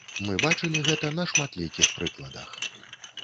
Мы бачылі гэта на шматлікіх прыкладах.